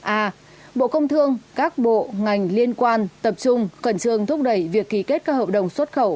a bộ công thương các bộ ngành liên quan tập trung cẩn trường thúc đẩy việc ký kết các hợp đồng xuất khẩu